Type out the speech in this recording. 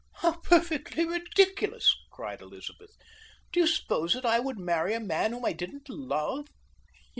"How perfectly ridiculous!" cried Elizabeth. "Do you suppose that I would marry a man whom I didn't love?"